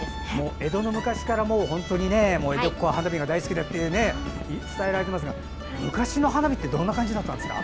江戸の昔から江戸っ子は花火が大好きでって伝えられていますが昔の花火ってどんな感じだったんですか？